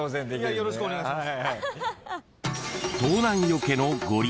よろしくお願いします。